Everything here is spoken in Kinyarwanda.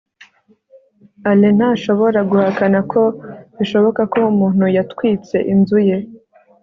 alain ntashobora guhakana ko bishoboka ko umuntu yatwitse inzu ye